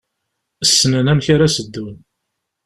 Ssnen amek ara s-ddun.